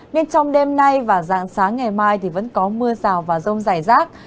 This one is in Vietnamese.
nên trong đêm nay và dạng sáng ngày mai thì vẫn có mưa rào và rông dài rác